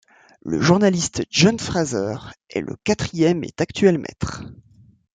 Le journaliste John Fraser est le quatrième et actuel maître.